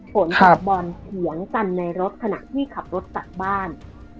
ฝนกับบอลถวงกันในรถขณะที่ขับรถกลับบ้าน